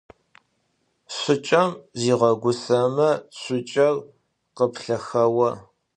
Шыкӏэм зигъэгусэмэ цукӏэр къыплъэхэо.